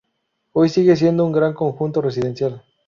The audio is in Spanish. Hoy siguen siendo un gran conjunto residencial.